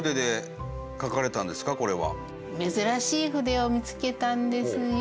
珍しい筆を見つけたんですよ。